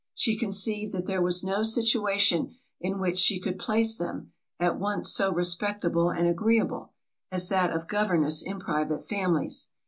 She conceived that there was no situation in which she could place them, at once so respectable and agreeable, as that of governess in private families.